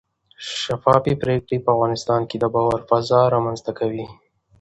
شفافې پرېکړې په افغانستان کې د باور فضا رامنځته کوي